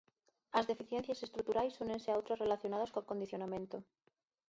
As deficiencias estruturais únense a outras relacionadas co acondicionamento.